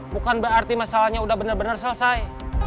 bukan berarti masalahnya udah bener bener selesai